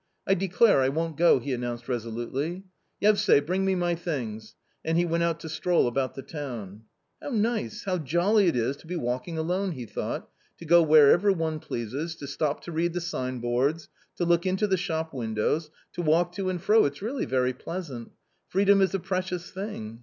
" I declare I won't go !" he announced resolutely. "Yevsay, bring me my things." And he went out to stroll about the town. " How nice, how jolly it is to be walking alone !" he thought ;" to go wherever one pleases, to stop to read the sign boards, to look into the shop windows, to walk to and fro — it's really very pleasant ! Freedom is a precious thing